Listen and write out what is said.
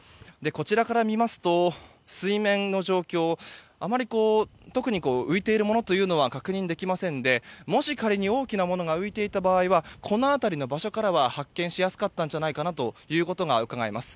こちらから見ますと水面の状況はあまり特に浮いているものは確認できませんでもし仮に大きなものが浮いていた場合はこの辺りの場所からは発見しやすかったのではないかとうかがえます。